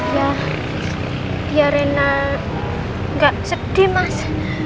ya ya rinal nggak sedih mas